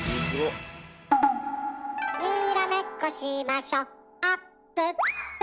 「にらめっこしましょあっぷっぷ」